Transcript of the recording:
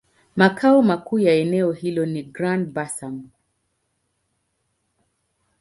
Makao makuu ya eneo hilo ni Grand-Bassam.